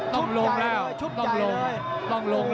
ชุบใหญ่เลยชุบใหญ่เลยต้องลง